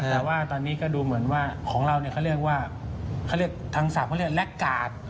แต่ว่าตอนนี้ก็ดูเหมือนว่าของเราเนี่ยเขาเรียกว่าเขาเรียกทางศัพท์เขาเรียกแล็กกาด